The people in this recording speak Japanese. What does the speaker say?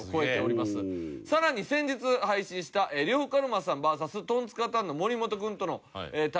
さらに先日配信した呂布カルマさんＶＳトンツカタンの森本君との対戦。